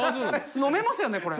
飲めますよねこれ。